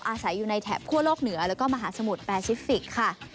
อาศัยอยู่ในแถบคั่วโลกเหนือแล้วก็มหาสมุทรแปซิฟิกส์ค่ะ